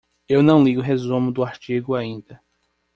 Eu não li o resumo do artigo ainda.